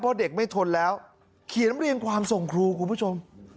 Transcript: เพราะเด็กไม่ทนแล้วเขียนเรียงความส่งครูคุณผู้ชม